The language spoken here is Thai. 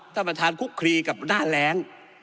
ท่านประธานคุกคลีกับหน้าแรง